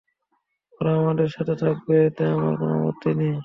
ওরা আমাদের সাথে থাকবে এতে আমার কোন আপত্তি নেই।